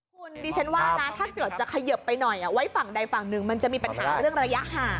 คุณดิฉันว่านะถ้าเกิดจะเขยิบไปหน่อยไว้ฝั่งใดฝั่งหนึ่งมันจะมีปัญหาเรื่องระยะห่าง